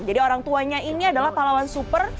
jadi orang tuanya ini adalah pahlawan super